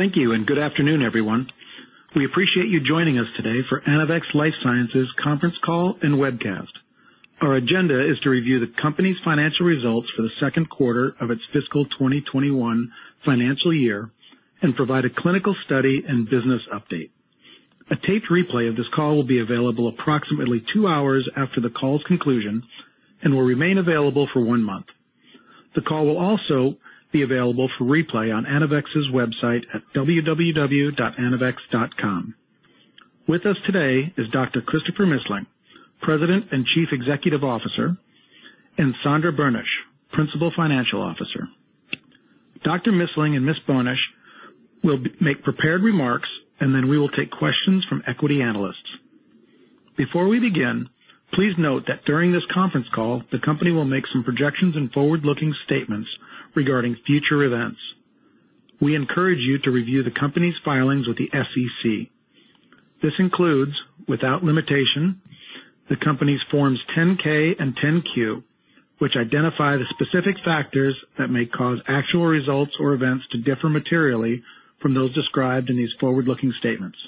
Thank you. Good afternoon, everyone. We appreciate you joining us today for Anavex Life Sciences conference call and webcast. Our agenda is to review the company's financial results for the second quarter of its fiscal 2021 financial year and provide a clinical study and business update. A taped replay of this call will be available approximately two hours after the call's conclusion and will remain available for one month. The call will also be available for replay on Anavex's website at www.anavex.com. With us today is Dr. Christopher Missling, President and Chief Executive Officer, and Sandra Boenisch, Principal Financial Officer. Dr. Missling and Ms. Boenisch will make prepared remarks, and then we will take questions from equity analysts. Before we begin, please note that during this conference call, the company will make some projections and forward-looking statements regarding future events. We encourage you to review the company's filings with the SEC. This includes, without limitation, the company's Forms 10-K and 10-Q, which identify the specific factors that may cause actual results or events to differ materially from those described in these forward-looking statements.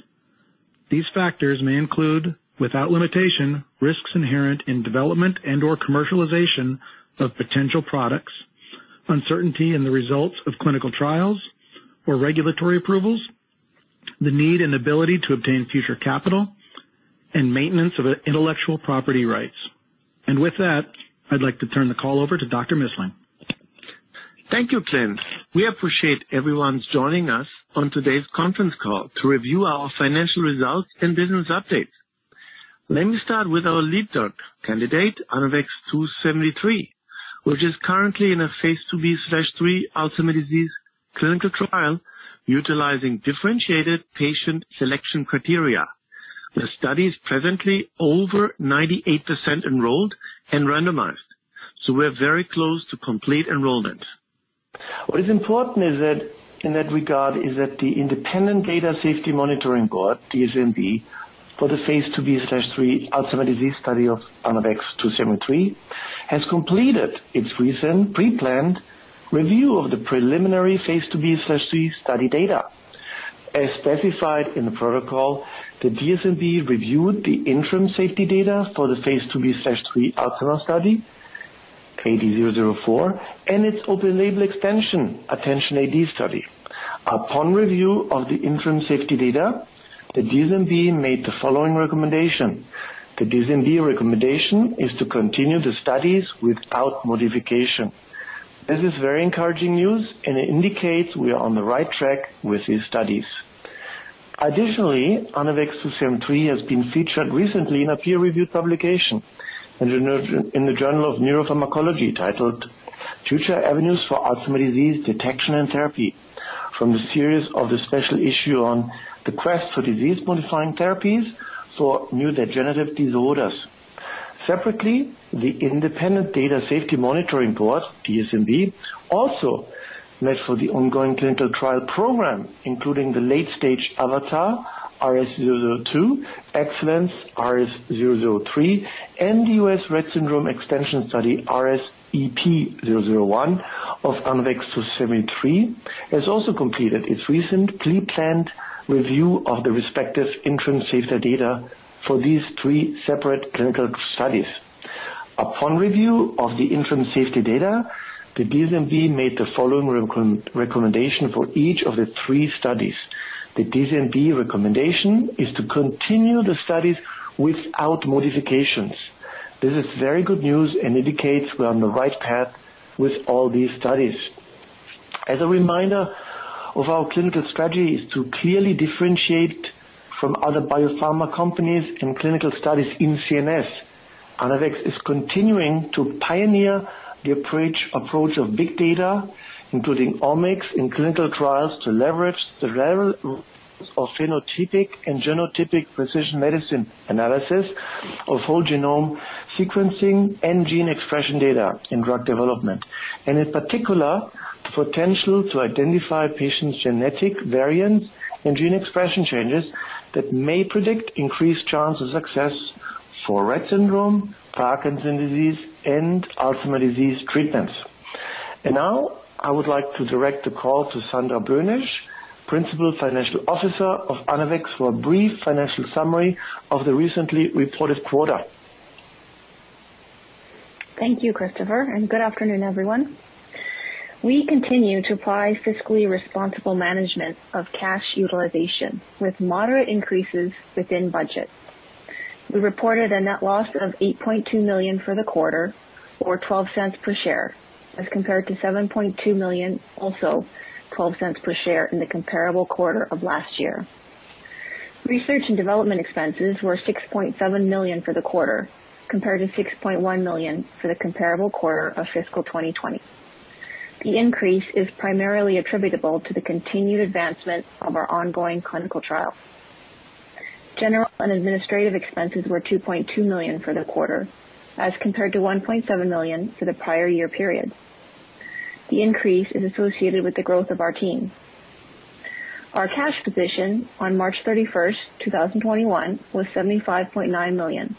These factors may include, without limitation, risks inherent in development and/or commercialization of potential products, uncertainty in the results of clinical trials or regulatory approvals, the need and ability to obtain future capital, and maintenance of intellectual property rights. With that, I'd like to turn the call over to Dr. Missling. Thank you, Clint. We appreciate everyone's joining us on today's conference call to review our financial results and business updates. Let me start with our lead drug candidate, ANAVEX 2-73, which is currently in a phase II/III Alzheimer's disease clinical trial utilizing differentiated patient selection criteria. The study is presently over 98% enrolled and randomized, so we're very close to complete enrollment. What is important in that regard is that the independent Data Safety Monitoring Board, DSMB, for the phase II/III Alzheimer's disease study of ANAVEX 2-73 has completed its recent pre-planned review of the preliminary phase II/III study data. As specified in the protocol, the DSMB reviewed the interim safety data for the phase II/III Alzheimer's study, AD004, and its open label extension, ATTENTION-AD study. Upon review of the interim safety data, the DSMB made the following recommendation. The DSMB recommendation is to continue the studies without modification. This is very encouraging news, and it indicates we are on the right track with these studies. Additionally, ANAVEX 2-73 has been featured recently in a peer-reviewed publication in the Journal of Neuropharmacology titled "Future Avenues for Alzheimer's disease Detection and Therapy" from the series of the special issue on the quest for disease-modifying therapies for neurodegenerative disorders. Separately, the independent Data Safety Monitoring Board, DSMB, also met for the ongoing clinical trial program, including the late-stage AVATAR, RS-002, EXCELLENCE, RS-003, and the US Rett syndrome extension study, RSEP-001 of ANAVEX 2-73, has also completed its recent pre-planned review of the respective interim safety data for these three separate clinical studies. Upon review of the interim safety data, the DSMB made the following recommendation for each of the three studies. The DSMB recommendation is to continue the studies without modifications. This is very good news and indicates we're on the right path with all these studies. As a reminder of our clinical strategy is to clearly differentiate from other biopharma companies in clinical studies in CNS. Anavex is continuing to pioneer the approach of big data, including omics in clinical trials, to leverage the of phenotypic and genotypic precision medicine analysis of whole genome sequencing and gene expression data in drug development. In particular, the potential to identify patients' genetic variants and gene expression changes that may predict increased chance of success for Rett syndrome, Parkinson's disease, and Alzheimer's disease treatments. Now, I would like to direct the call to Sandra Boenisch, Principal Financial Officer of Anavex, for a brief financial summary of the recently reported quarter. Thank you, Christopher, and good afternoon, everyone. We continue to apply fiscally responsible management of cash utilization with moderate increases within budget. We reported a net loss of $8.2 million for the quarter, or $0.12 per share, as compared to $7.2 million, also $0.12 per share, in the comparable quarter of last year. Research and development expenses were $6.7 million for the quarter, compared to $6.1 million for the comparable quarter of fiscal 2020. The increase is primarily attributable to the continued advancement of our ongoing clinical trials. General and administrative expenses were $2.2 million for the quarter, as compared to $1.7 million for the prior year period. The increase is associated with the growth of our team. Our cash position on March 31st, 2021 was $75.9 million,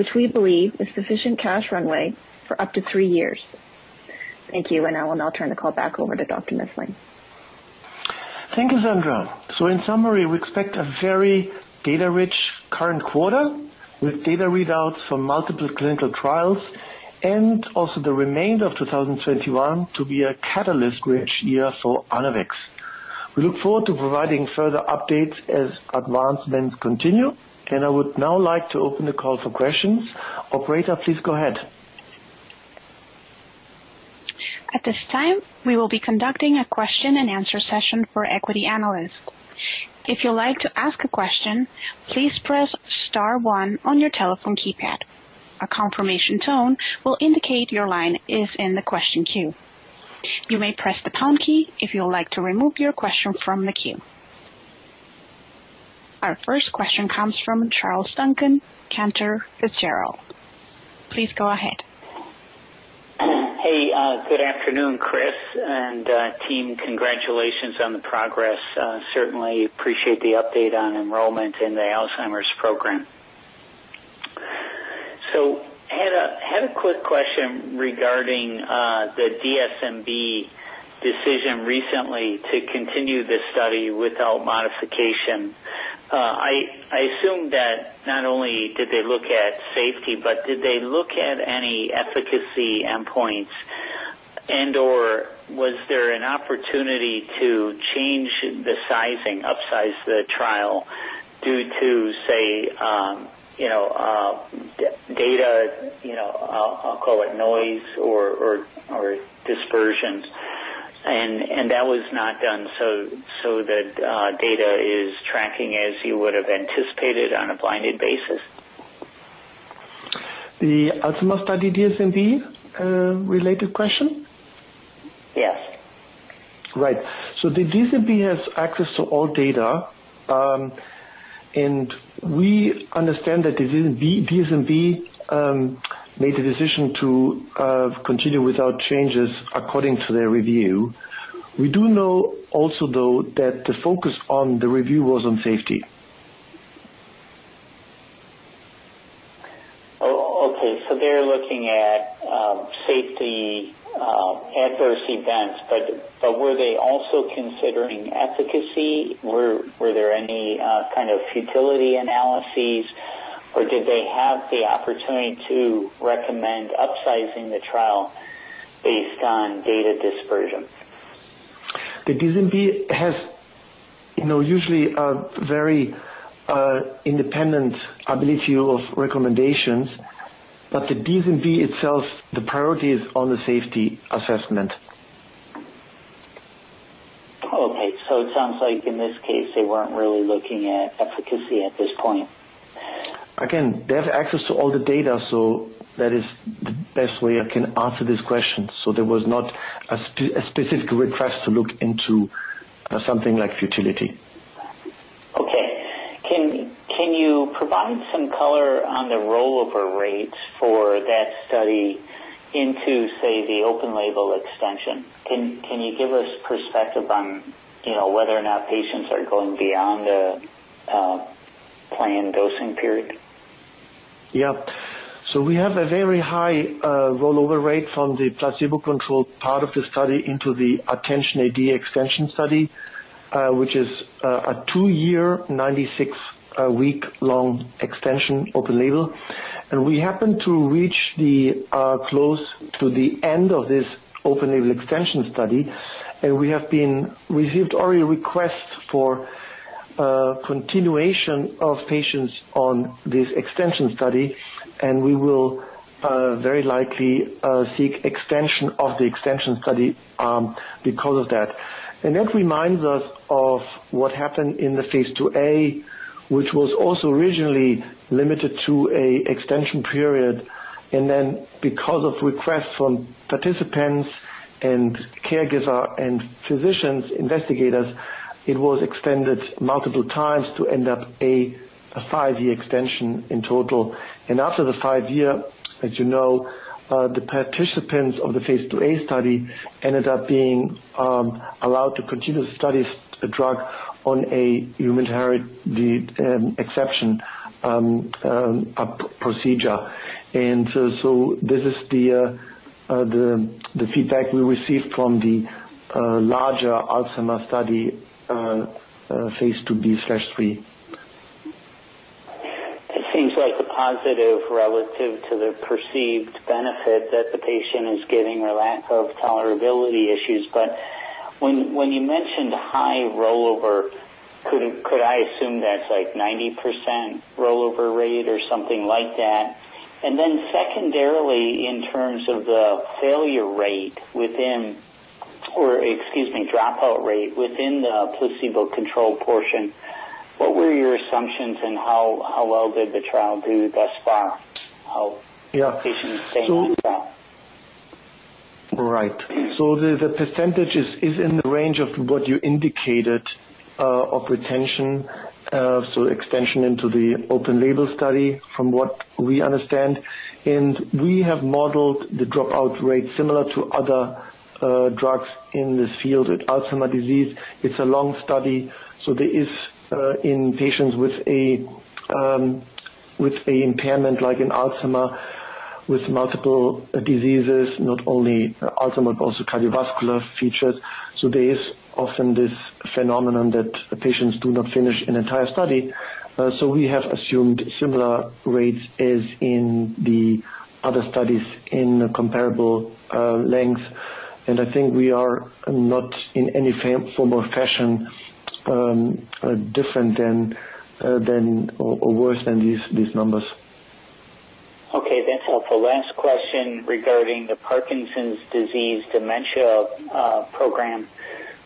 which we believe is sufficient cash runway for up to three years. Thank you. Now I'll now turn the call back over to Dr. Missling. Thank you, Sandra. In summary, we expect a very data-rich current quarter with data readouts from multiple clinical trials and also the remainder of 2021 to be a catalyst rich year for Anavex. We look forward to providing further updates as advancements continue. I would now like to open the call for questions. Operator, please go ahead. At this time, we will be conducting a question and answer session for equity analysts. If you'd like to ask a question, please press star one on your telephone keypad. A confirmation tone will indicate your line is in the question queue. You may press the tone key if you'd like to remove your question from the queue. Our first question comes from Charles Duncan, Cantor Fitzgerald. Please go ahead. Hey, good afternoon, Chris and team. Congratulations on the progress. Certainly appreciate the update on enrollment in the Alzheimer's program. I had a quick question regarding the DSMB decision recently to continue this study without modification. I assume that not only did they look at safety, but did they look at any efficacy endpoints and/or was there an opportunity to change the sizing, upsize the trial due to, say, data, I'll call it noise or dispersions. That was not done so that data is tracking as you would have anticipated on a blinded basis? The Alzheimer's study DSMB related question? Yes. The DSMB has access to all data, and we understand that DSMB made the decision to continue without changes according to their review. We do know also, though, that the focus on the review was on safety. Okay, they're looking at safety, adverse events. Were they also considering efficacy? Were there any kind of futility analyses? Did they have the opportunity to recommend upsizing the trial based on data dispersion? The DSMB has usually a very independent ability of recommendations, but the DSMB itself, the priority is on the safety assessment. It sounds like in this case they weren't really looking at efficacy at this point. They have access to all the data, so that is the best way I can answer this question. There was not a specific request to look into something like futility. Okay. Can you provide some color on the rollover rates for that study into, say, the open label extension? Can you give us perspective on whether or not patients are going beyond the planned dosing period? Yeah. We have a very high rollover rate from the placebo-controlled part of the study into the ATTENTION-AD extension study, which is a two-year, 96-week-long extension open-label. We happen to reach close to the end of this open-label extension study, and we have received already requests for continuation of patients on this extension study, and we will very likely seek extension of the extension study because of that. That reminds us of what happened in the Phase IIa, which was also originally limited to a extension period. Then because of requests from participants and caregivers and physicians, investigators, it was extended multiple times to end up a five-year extension in total. After the 5-year, as you know, the participants of the Phase IIa study ended up being allowed to continue to study the drug on an exception procedure. This is the feedback we received from the larger Alzheimer's study, phase IIb/III. It seems like a positive relative to the perceived benefit that the patient is getting or lack of tolerability issues. When you mentioned high rollover, could I assume that's like 90% rollover rate or something like that? Secondarily, in terms of the dropout rate within the placebo-controlled portion, what were your assumptions and how well did the trial do thus far? Yeah. Are patients staying on the trial? Right. The percentage is in the range of what you indicated of retention. Extension into the open-label study from what we understand. We have modeled the dropout rate similar to other drugs in this field with Alzheimer's disease. It's a long study, there is in patients With the impairment, like in Alzheimer, with multiple diseases, not only Alzheimer, but also cardiovascular features. There is often this phenomenon that patients do not finish an entire study. We have assumed similar rates as in the other studies in comparable length. I think we are not in any form or fashion different than or worse than these numbers. Okay, thanks. For last question regarding the Parkinson's disease dementia program,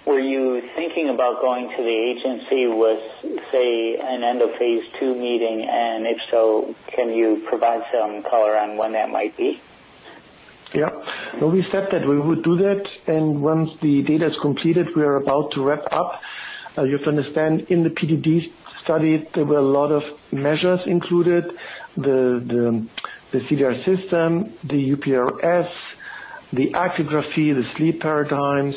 were you thinking about going to the agency with, say, an end of phase II meeting? If so, can you provide some color on when that might be? Yeah. No, we said that we would do that, and once the data is completed, we are about to wrap up. You have to understand, in the PDD study, there were a lot of measures included. The CDR System, the UPDRS, the actigraphy, the sleep paradigms,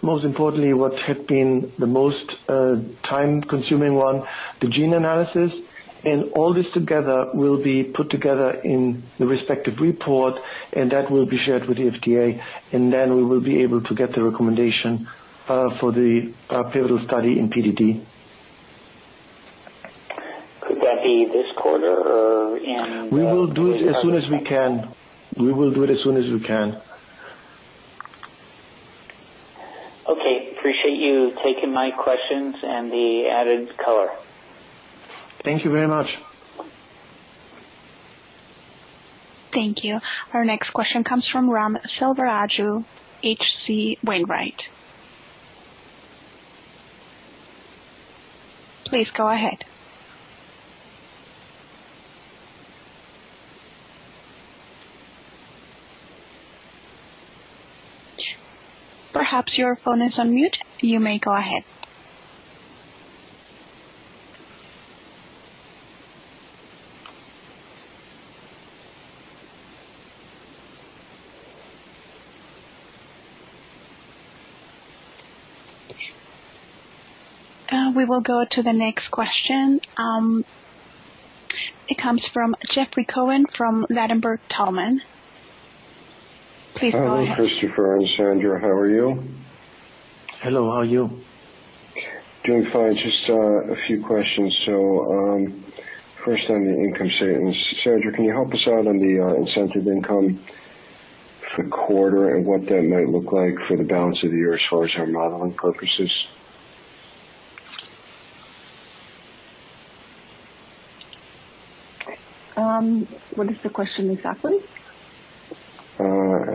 Most importantly, what had been the most time-consuming one, the gene analysis. All this together will be put together in the respective report, and that will be shared with the FDA, and then we will be able to get the recommendation for the pivotal study in PDD. Could that be this quarter or in- We will do it as soon as we can. Okay. Appreciate you taking my questions and the added color. Thank you very much. Thank you. Our next question comes from Raghuram Selvaraju, H.C. Wainwright. Please go ahead. Perhaps your phone is on mute. You may go ahead. We will go to the next question. It comes from Jeffrey Cohen from Ladenburg Thalmann. Please go ahead. Hello, Christopher and Sandra. How are you? Hello. How are you? Doing fine. Just a few questions. First on the income statements. Sandra, can you help us out on the incentive income for the quarter and what that might look like for the balance of the year as far as our modeling purposes? What is the question exactly? I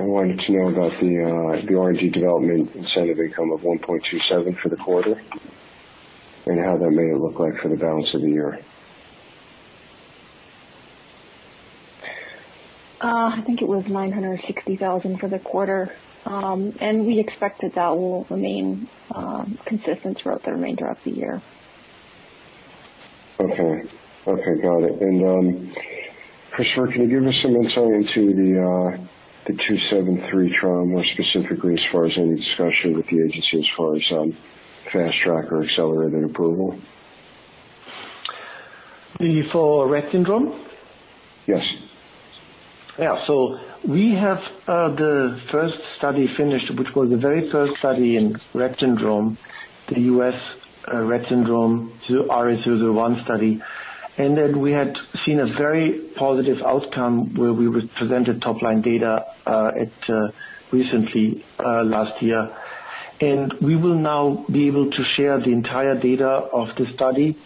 wanted to know about the R&D development incentive income of $1.27 for the quarter and how that may look like for the balance of the year. I think it was $960,000 for the quarter. We expect that will remain consistent throughout the remainder of the year. Okay. Got it. Christopher, can you give us some insight into the two seven three trial, more specifically as far as any discussion with the agency as far as fast track or accelerated approval? For Rett syndrome? Yes. Yeah. We have the first study finished, which was the very first study in Rett syndrome, the U.S. Rett syndrome, RS001 study. We had seen a very positive outcome where we presented top-line data recently last year. We will now be able to share the entire data of the study.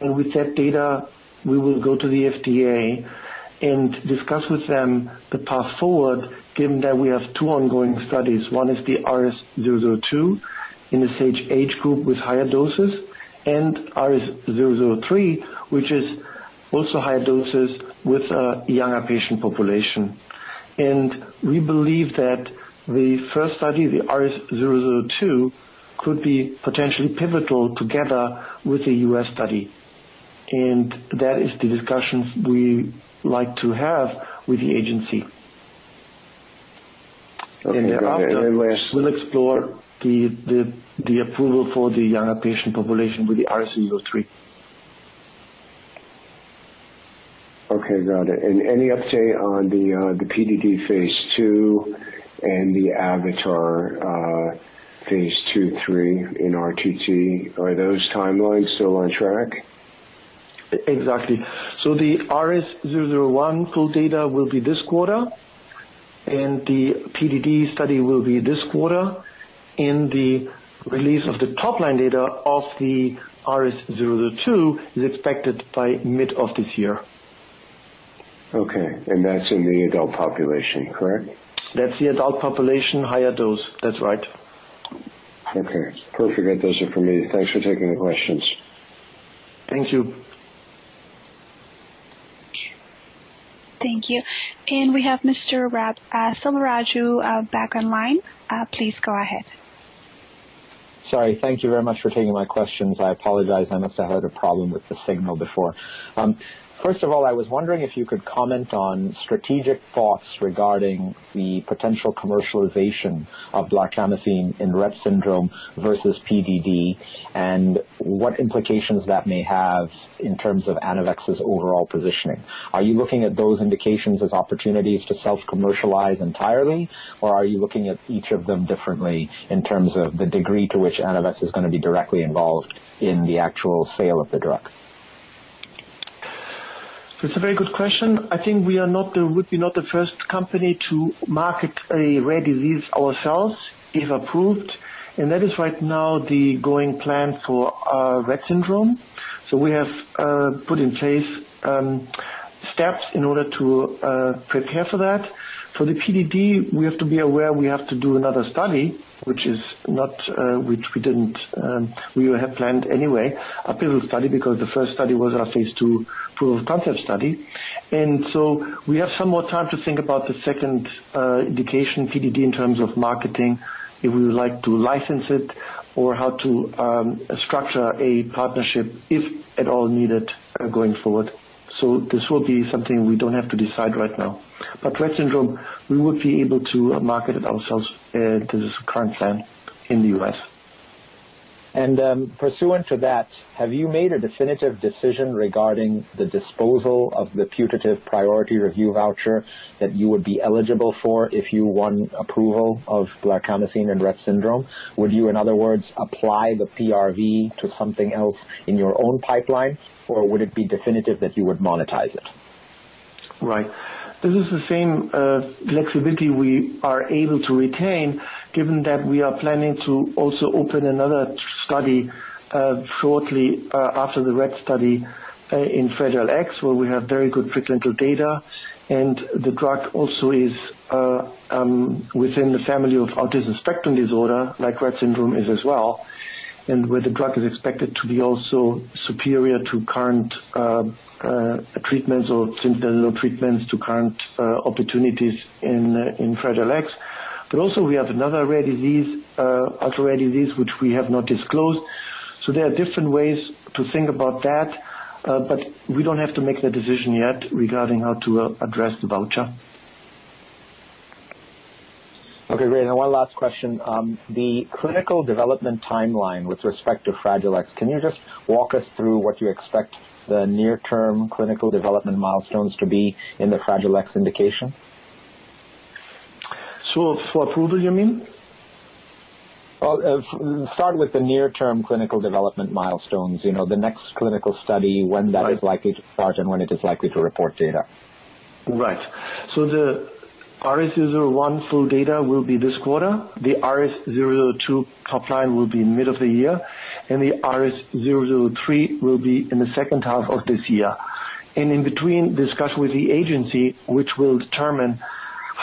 With that data, we will go to the FDA and discuss with them the path forward, given that we have two ongoing studies. One is the RS-002 in this age H group with higher doses, and RS-003, which is also higher doses with a younger patient population. We believe that the first study, the RS-002, could be potentially pivotal together with the U.S. study. That is the discussions we like to have with the agency. Okay. Thereafter, we'll explore the approval for the younger patient population with the RS-003. Okay, got it. Any update on the PDD phase II and the AVATAR phase II/III in Rett? Are those timelines still on track? Exactly. The RS001 full data will be this quarter. The PDD study will be this quarter. The release of the top-line data of the RS002 is expected by mid of this year. Okay. That's in the adult population, correct? That's the adult population, higher dose. That's right. Okay, perfect. Those are for me. Thanks for taking the questions. Thank you. Thank you. We have Mr. Selvaraju back online. Please go ahead. Sorry. Thank you very much for taking my questions. I apologize. I must have had a problem with the signal before. I was wondering if you could comment on strategic thoughts regarding the potential commercialization of blarcamesine in Rett syndrome versus PDD, and what implications that may have in terms of Anavex's overall positioning. Are you looking at those indications as opportunities to self-commercialize entirely, or are you looking at each of them differently in terms of the degree to which Anavex is going to be directly involved in the actual sale of the drug? That's a very good question. I think we would be not the first company to market a rare disease ourselves if approved, and that is right now the going plan for Rett syndrome. We have put in place steps in order to prepare for that. For the PDD, we have to be aware, we have to do another study, which we have planned anyway, a pivotal study, because the first study was our phase II proof of concept study. We have some more time to think about the second indication, PDD, in terms of marketing, if we would like to license it or how to structure a partnership if at all needed going forward. This will be something we don't have to decide right now. Rett syndrome, we would be able to market it ourselves to this current plan in the U.S. Pursuant to that, have you made a definitive decision regarding the disposal of the putative priority review voucher that you would be eligible for if you won approval of blarcamesine and Rett syndrome? Would you, in other words, apply the PRV to something else in your own pipeline, or would it be definitive that you would monetize it? Right. This is the same flexibility we are able to retain given that we are planning to also open another study shortly after the Rett study in Fragile X, where we have very good preclinical data, and the drug also is within the family of autism spectrum disorder, like Rett syndrome is as well, and where the drug is expected to be also superior to current treatments or since there are no treatments to current opportunities in Fragile X. Also we have another rare disease, ultra-rare disease, which we have not disclosed. There are different ways to think about that. We don't have to make the decision yet regarding how to address the voucher. Okay, great. One last question. The clinical development timeline with respect to Fragile X, can you just walk us through what you expect the near-term clinical development milestones to be in the Fragile X indication? For approval, you mean? Well, start with the near-term clinical development milestones, the next clinical study. Right When that is likely to start and when it is likely to report data. Right. The RS001 full data will be this quarter. The RS-002 top line will be in middle of the year, and the RS-003 will be in the second half of this year. In between, discussion with the agency, which will determine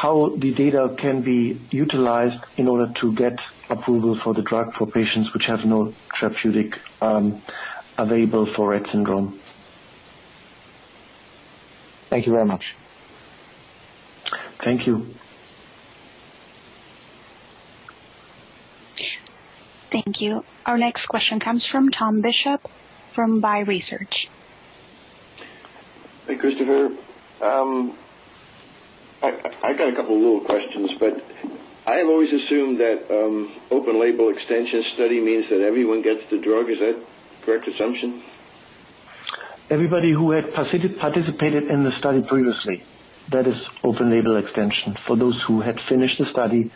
how the data can be utilized in order to get approval for the drug for patients which have no therapeutic available for Rett syndrome. Thank you very much. Thank you. Thank you. Our next question comes from Tom Bishop from BI Research. Hey, Christopher. I got a couple little questions, but I have always assumed that open label extension study means that everyone gets the drug. Is that correct assumption? Everybody who had participated in the study previously. That is open label extension. For those who had finished the study,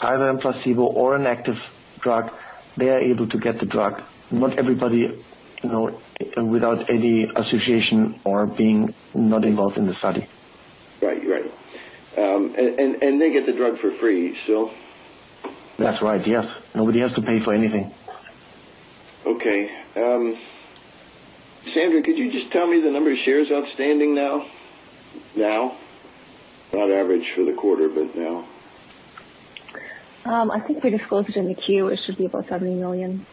either on placebo or an active drug, they are able to get the drug. Not everybody without any association or being not involved in the study. Right. They get the drug for free still? That's right, yes. Nobody has to pay for anything. Okay. Sandra, could you just tell me the number of shares outstanding now? Not average for the quarter, but now. I think we disclosed it in the Q. It should be about $70 million.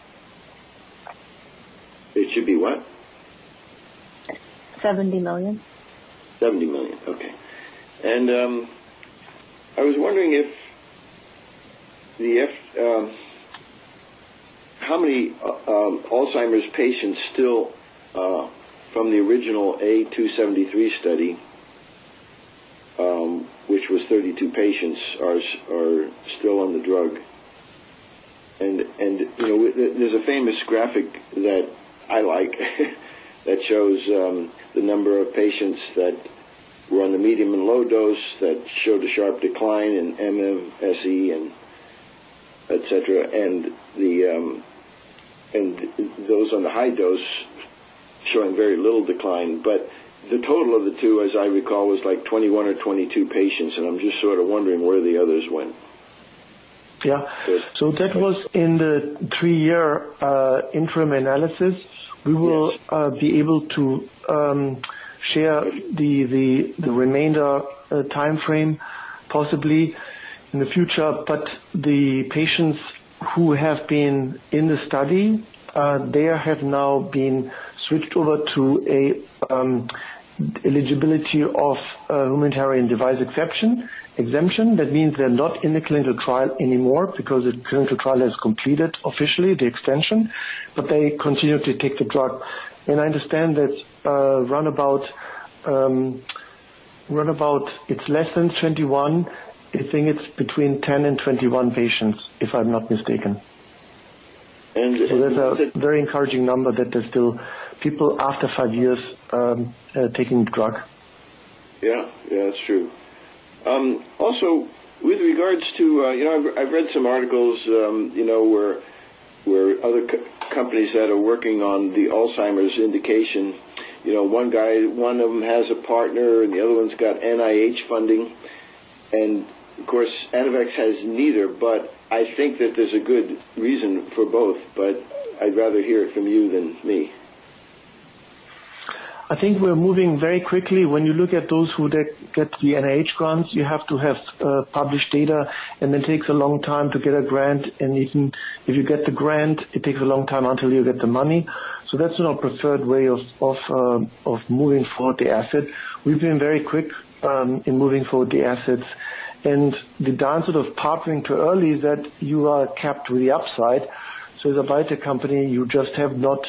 It should be what? $70 million. $70 million. Okay. I was wondering how many Alzheimer's patients still from the original A273 study, which was 32 patients, are still on the drug. There's a famous graphic that I like that shows the number of patients that were on the medium and low dose that showed a sharp decline in MMSE and et cetera, and those on the high dose showing very little decline. The total of the two, as I recall, was 21 or 22 patients, and I'm just sort of wondering where the others went. Yeah. Good. That was in the three-year interim analysis. Yes. We will be able to share the remainder timeframe possibly in the future, but the patients who have been in the study, they have now been switched over to Eligibility of Humanitarian Device Exemption. That means they're not in the clinical trial anymore because the clinical trial has completed officially, the extension, but they continue to take the drug. I understand that run about, it's less than 21. I think it's between 10 and 21 patients, if I'm not mistaken. And- That's a very encouraging number that there's still people after five years taking the drug. Yeah. That's true. Also, with regards to I've read some articles where other companies that are working on the Alzheimer's indication. One of them has a partner, and the other one's got NIH funding, and of course, Anavex has neither. I think that there's a good reason for both, but I'd rather hear it from you than me. I think we're moving very quickly. When you look at those who get the NIH grants, you have to have published data, and it takes a long time to get a grant. If you get the grant, it takes a long time until you get the money. That's not preferred way of moving forward the asset. We've been very quick in moving forward the assets. The downside of partnering too early is that you are capped with the upside. As a biotech company, you just have not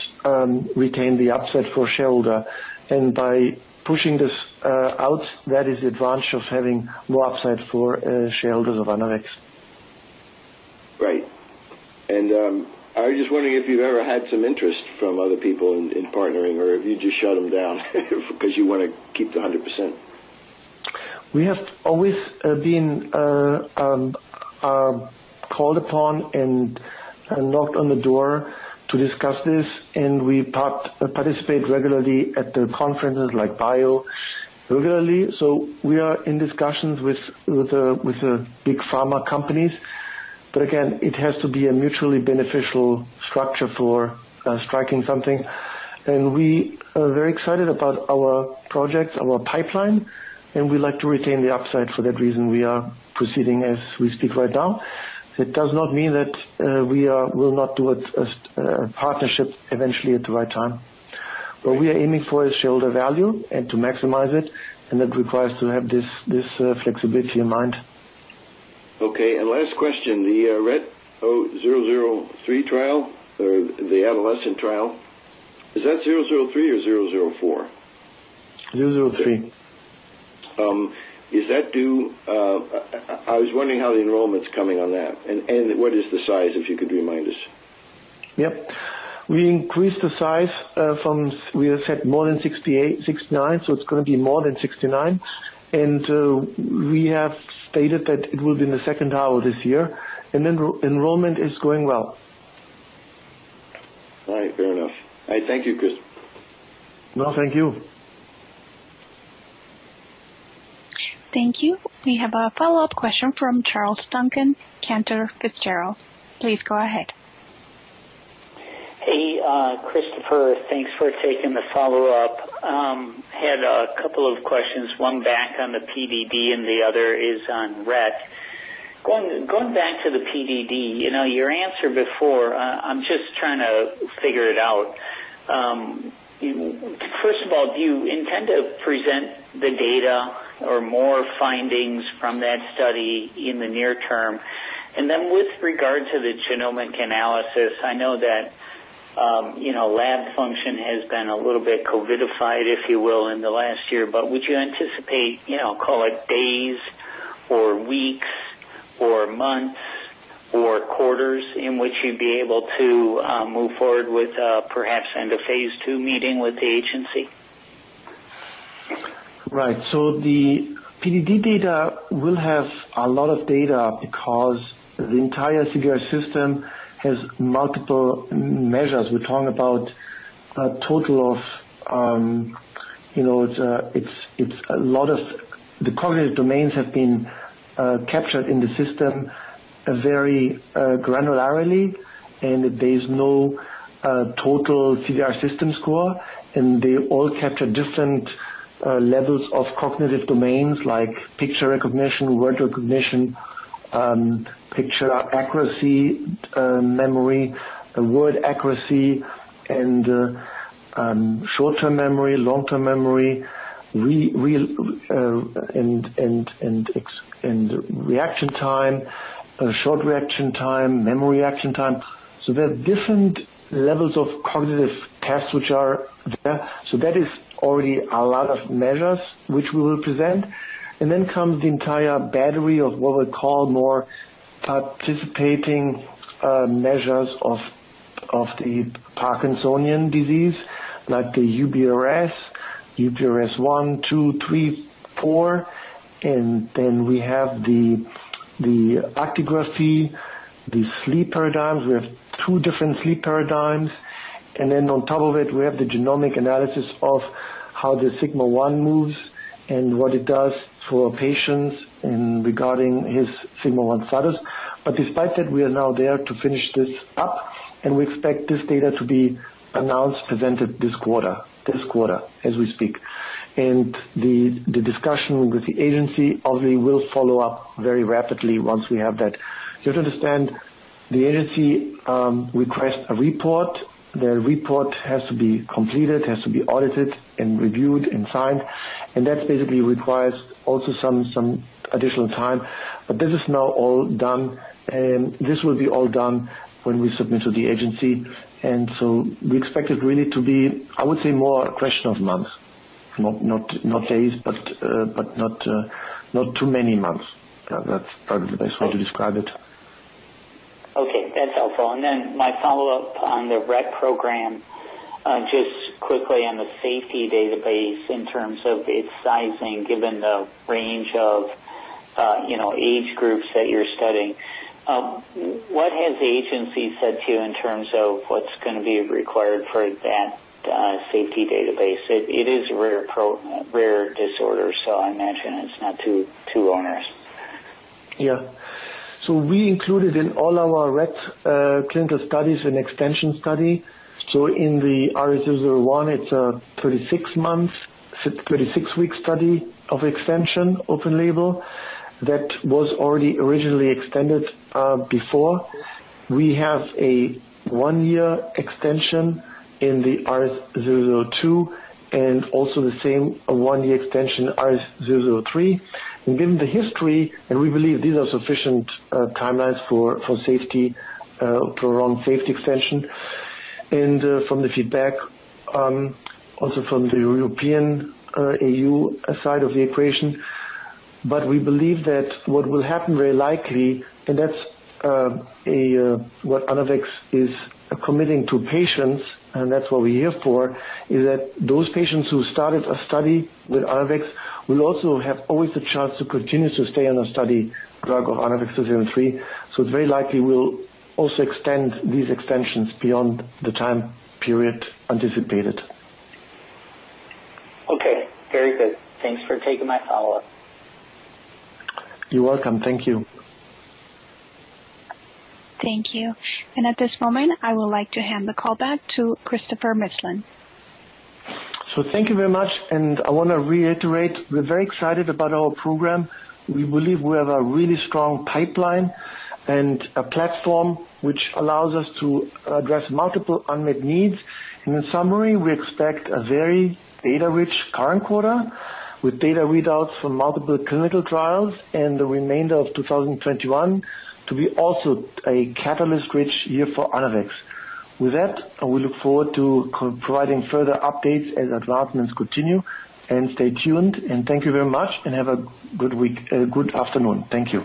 retained the upside for shareholder. By pushing this out, that is advantage of having more upside for shareholders of Anavex. Right. I was just wondering if you've ever had some interest from other people in partnering, or if you just shut them down because you want to keep the 100%? We have always been called upon and knocked on the door to discuss this, and we participate regularly at the conferences like BIO regularly. We are in discussions with the big pharma companies. Again, it has to be a mutually beneficial structure for striking something. We are very excited about our projects, our pipeline, and we like to retain the upside. For that reason, we are proceeding as we speak right now. That does not mean that we will not do a partnership eventually at the right time. What we are aiming for is shareholder value and to maximize it, and that requires to have this flexibility in mind. Okay, last question. The ANAVEX2-73-RS-003 trial or the adolescent trial, is that 003 or 004? 003. I was wondering how the enrollment's coming on that, and what is the size, if you could remind us? Yep. We increased the size from we have set more than 68, 69, so it's going to be more than 69. We have stated that it will be in the second half of this year. Enrollment is going well. All right. Fair enough. Thank you, Chris. No, thank you. Thank you. We have a follow-up question from Charles Duncan, Cantor Fitzgerald. Please go ahead. Hey, Christopher. Thanks for taking the follow-up. Had a couple of questions, one back on the PDD, and the other is on Rett. Going back to the PDD, your answer before, I'm just trying to figure it out. First of all, do you intend to present the data or more findings from that study in the near term? With regard to the genomic analysis, I know that lab function has been a little bit COVID-ified, if you will, in the last year. Would you anticipate, call it days or weeks or months or quarters in which you'd be able to move forward with perhaps in the phase II meeting with the agency? Right. The PDD data will have a lot of data because the entire CDR System has multiple measures. We're talking about a lot of the cognitive domains have been captured in the system very granularly, there is no total CDR System score, they all capture different levels of cognitive domains like picture recognition, word recognition, picture accuracy, memory, word accuracy, and short-term memory, long-term memory, and reaction time, short reaction time, memory reaction time. There are different levels of cognitive tests which are there. That is already a lot of measures which we will present. Then comes the entire battery of what we call more participating measures of the Parkinson's disease, like the UPDRS 1, 2, 3, 4. Then we have the actigraphy, the sleep paradigms. We have two different sleep paradigms. On top of it, we have the genomic analysis of how the SYCP1 moves and what it does for patients and regarding his SYCP1 status. Despite that, we are now there to finish this up, and we expect this data to be announced, presented this quarter, as we speak. The discussion with the agency obviously will follow up very rapidly once we have that. You have to understand, the agency requests a report. The report has to be completed, has to be audited and reviewed and signed, and that basically requires also some additional time. This is now all done, and this will be all done when we submit to the agency. We expect it really to be, I would say, more a question of months. Not days, but not too many months. That's probably the best way to describe it. Okay, that's helpful. My follow-up on the Rett program, just quickly on the safety database in terms of its sizing, given the range of age groups that you're studying. What has the agency said to you in terms of what's going to be required for that safety database? It is a rare disorder, so I imagine it's not too onerous. We included in all our Rett clinical studies an extension study. In the RS001, it's a 36-week study of extension, open label, that was already originally extended before. We have a one-year extension in the RS002 and also the same one-year extension, RS003. Given the history, and we believe these are sufficient timelines for safety, to run safety extension, and from the feedback also from the European EU side of the equation. We believe that what will happen very likely, and that's what Anavex is committing to patients, and that's what we're here for, is that those patients who started a study with Anavex will also have always the chance to continue to stay on the study drug of ANAVEX 2-73. It very likely will also extend these extensions beyond the time period anticipated. Okay, very good. Thanks for taking my follow-up. You're welcome. Thank you. Thank you. At this moment, I would like to hand the call back to Christopher Missling. Thank you very much, and I want to reiterate, we're very excited about our program. We believe we have a really strong pipeline and a platform which allows us to address multiple unmet needs. In summary, we expect a very data-rich current quarter with data readouts from multiple clinical trials in the remainder of 2021 to be also a catalyst-rich year for Anavex. With that, we look forward to providing further updates as advancements continue. Stay tuned, and thank you very much, and have a good afternoon. Thank you.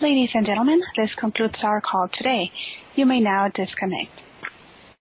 Ladies and gentlemen, this concludes our call today. You may now disconnect.